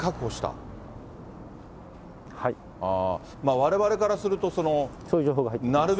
われわれからすると。